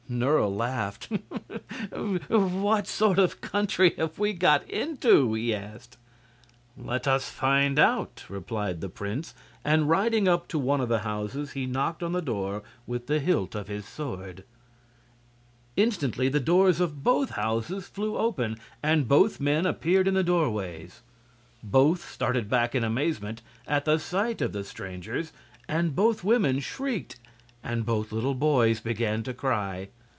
Nerle laughed. "What sort of country have we got into?" he asked. "Let us find out," replied the prince, and riding up to one of the houses he knocked on the door with the hilt of his sword. Instantly the doors of both houses flew open, and both men appeared in the doorways. Both started back in amazement at sight of the strangers, and both women shrieked and both little boys began to cry.